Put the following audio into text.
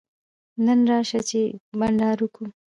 نن راسه چي بانډار وکو.